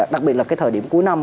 đặc biệt là thời điểm cuối năm